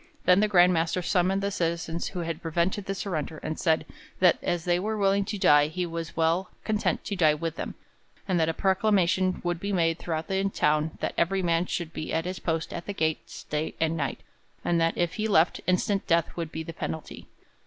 Then the Grand Master summoned the citizens who had prevented the surrender, and said that as they were willing to die he was well content to die with them, and that a proclamation would be made throughout the town that every man should be at his post at the gates day and night, and that, if he left, instant death would be the penalty.